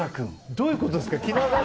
どういうことですか？